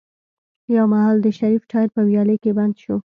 يو مهال د شريف ټاير په ويالې کې بند شو.